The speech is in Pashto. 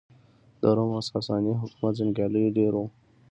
د روم او ساسا ني حکومت جنګیالېیو ډېر وو.